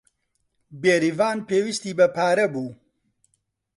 بێریڤان پێویستی بە پارە بوو.